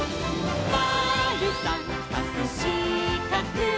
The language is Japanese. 「まるさんかくしかく」